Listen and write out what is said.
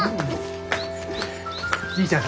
じいちゃん